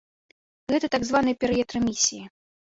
Гэта так званы перыяд рэмісіі.